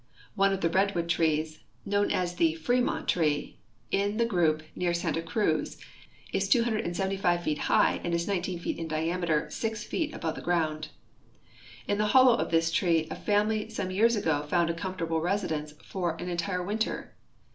One of the redwood trees, known as the Fremont tree, in the group near Santa Cruz, is 275 feet high and is 19 feet in diameter six feet above the ground. In the hollow of this tree a family some years ago found a comfortable residence for an entire winter.